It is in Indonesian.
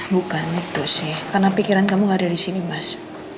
bukan itu sih karena pikiran kamu gak ada disini mas